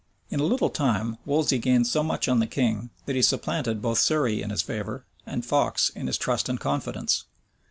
In a little time, Wolsey gained so much on the king, that he supplanted both Surrey in his favor, and Fox in his trust and confidence.